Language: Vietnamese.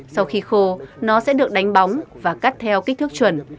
sau khi khô nó sẽ được đánh bóng và cắt theo kích thước chuẩn